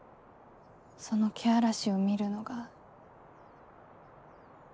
そのけあらしを見るのが。